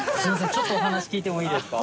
ちょっとお話聞いてもいいですか？